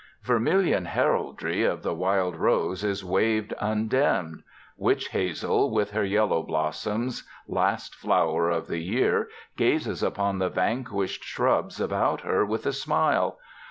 Vermilion heraldry of the wild rose is waved undimmed. Witch hazel with her yellow blossoms, last flowers of the year, gazes upon the vanquished shrubs about her with a smile.